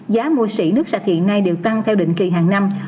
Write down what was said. giá mua xỉ nước sạch hiện nay đều tăng theo định kỳ hàng năm